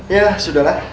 ya sudah lah